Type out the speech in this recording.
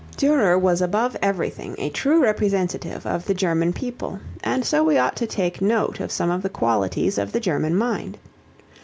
Durer was above everything a true representative of the German people, and so we ought to take note of some of the qualities of the German mind.